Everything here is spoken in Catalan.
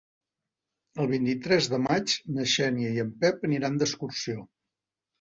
El vint-i-tres de maig na Xènia i en Pep aniran d'excursió.